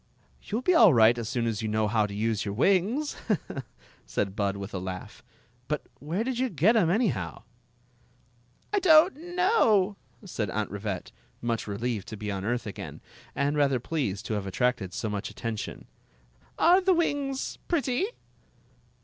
"You *11 be all right as soo^ as you know how to use your wings," said Bud, with a laugh. •* BUI where did you get 'em, anyh( w ?"" I don't know, " said Aunt Rivette, much relieved • to be on earth again, and rather pleased to have attracted so much attention. Are the wings pretty?"